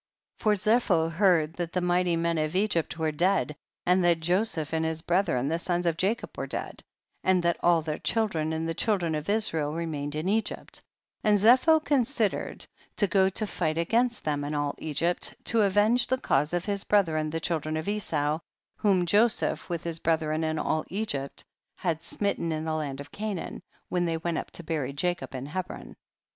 8. For Zepho heard that the mighty men of Egypt were dead and that Joseph and his brethren the sons of Jacob were dead, and that all their children the children of Israel re mained in Egypt. 9. And Zepho considered to go to * i. e. After the fatigues of war, to attend again to domestic government. fight against them and all Egypt, to avenge the cause of his brethren the children of Esau, whom Joseph with his brethren and all Egypt had smit ten in the land of Canaan, when they went up to bury Jacob in Hebron.